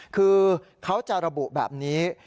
คือเขาจะระบุแบบนี้